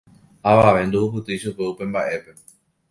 Avave ndohupytýi chupe upe mbaʼépe.